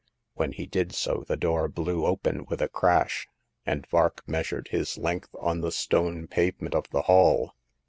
When he did so, the door blew open with a crash, and Vark measured his length on the stone pavement of the hall.